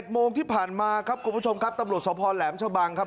โมงที่ผ่านมาครับคุณผู้ชมครับตำรวจสภแหลมชะบังครับ